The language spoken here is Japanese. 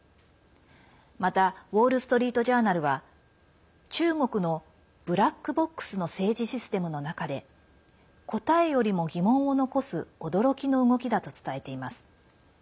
また、ウォール・ストリート・ジャーナルは中国のブラックボックスの政治システムの中で答えよりも疑問を残す驚きの動きだと伝えています。